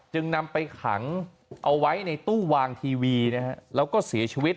จึงนำไปขังเอาไว้ในตู้วางทีวีนะฮะแล้วก็เสียชีวิต